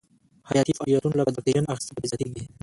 حیاتي فعالیتونه لکه د اکسیجن اخیستل پکې زیاتیږي.